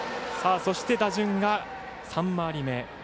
そして打順が３回り目。